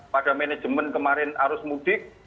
pada manajemen kemarin arus mudik